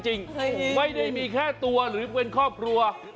จริงไม่ได้มีแค่ตัวหรือเป็นครอบครัว